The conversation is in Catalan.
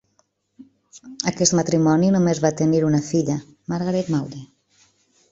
Aquest matrimoni només va tenir una filla, Margaret Maude.